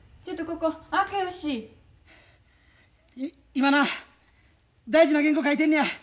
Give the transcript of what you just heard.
今な大事な原稿書いてんねや。